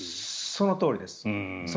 そのとおりです。